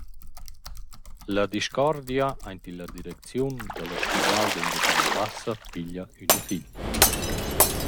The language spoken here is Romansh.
La discordia aint illa direcziun da l’Ospidal d’Engiadina Bassa piglia üna fin.